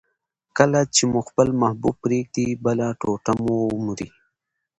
کله چي مو خپل محبوب پرېږدي، بله ټوټه مو ومري.